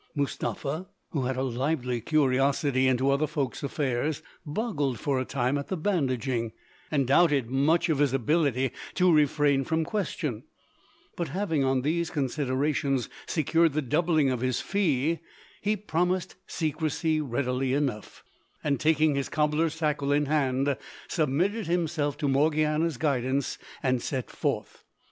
] Mustapha, who had a lively curiosity into other folk's affairs, boggled for a time at the bandaging, and doubted much of his ability to refrain from question; but having on these considerations secured the doubling of his fee, he promised secrecy readily enough, and taking his cobbler's tackle in hand submitted himself to Morgiana's guidance and set forth.